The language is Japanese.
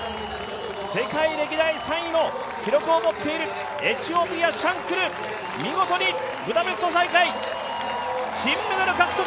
世界歴代３位の記録を持っているエチオピア、シャンクル見事にブダペスト大会金メダル獲得！